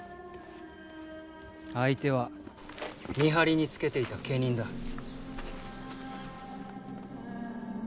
相手は見張りにつけていた家人だ。